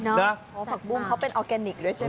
เพราะผักบุ้งเขาเป็นออร์แกนิคด้วยใช่ไหม